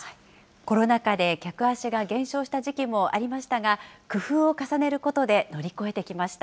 コロナ禍で客足が減少した時期もありましたが、工夫を重ねることで乗り越えてきました。